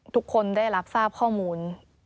ทุกคนได้รับทราบข้อมูล